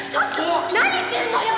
何すんのよ！